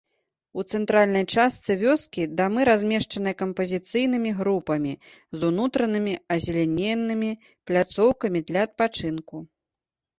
У цэнтральнай частцы вёскі дамы размешчаныя кампазіцыйнымі групамі з унутранымі азялененымі пляцоўкамі для адпачынку.